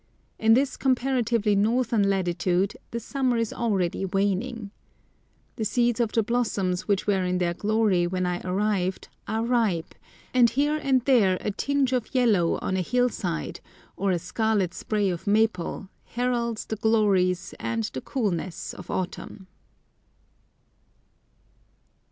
In this comparatively northern latitude the summer is already waning. The seeds of the blossoms which were in their glory when I arrived are ripe, and here and there a tinge of yellow on a hillside, or a scarlet spray of maple, heralds the glories and the coolness of autumn.